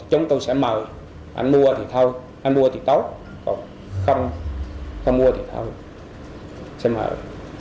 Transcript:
chúng tôi sẽ mời anh mua thì thôi anh mua thì tốt còn không mua thì thôi sẽ mời